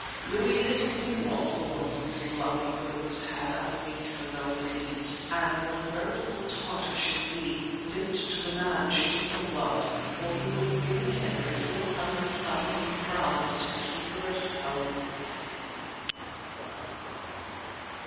Louis little knew what thorns this lovely rose had underneath her velvet leaves, and what a veritable Tartar she would be, linked to the man she did not love; or he would have given Henry four hundred thousand crowns to keep her at home.